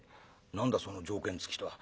「何だその条件付きとは」。